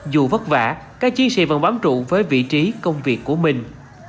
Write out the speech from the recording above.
dù vất vả các chiến sĩ vẫn bám trụ với vị trí công việc của mình